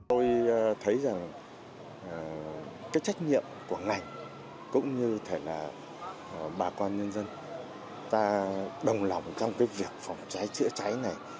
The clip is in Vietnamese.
tôi thấy rằng cái trách nhiệm của ngành cũng như thể là bà con nhân dân ta đồng lòng trong cái việc phòng cháy chữa cháy này